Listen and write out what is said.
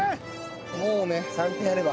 もうね３点あれば。